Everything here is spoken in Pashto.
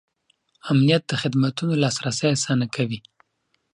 امنیت د خدمتونو لاسرسی اسانه کوي.